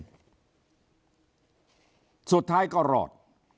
สุดท้ายก็รอด